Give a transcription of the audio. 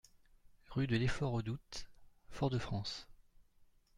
Rue de l'Effort Redoute, Fort-de-France